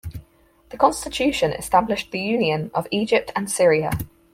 The constitution established the union of Egypt and Syria.